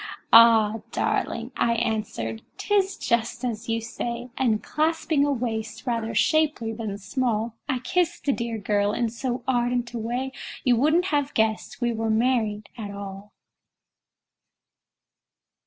"Ah! darling," I answered, "'tis just as you say;" And clasping a waist rather shapely than small, I kissed the dear girl in so ardent a way You wouldn't have guessed we were married at all!